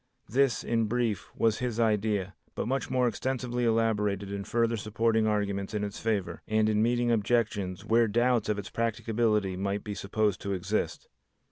This, in brief, was his idea, but much more extensively elaborated in further supporting arguments in its favor and in meeting objections where doubts of its practicability might be supposed to exist.